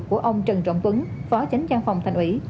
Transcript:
của ông trần trọng tuấn phó chánh trang phòng thành ủy